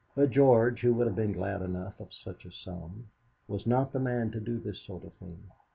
But George, who would have been glad enough of such a sum, was not the man to do this sort of thing.